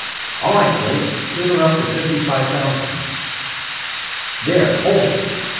All right, Blake, tune her up to fifty five thousand there, hold it!